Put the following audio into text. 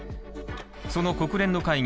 その国連の会議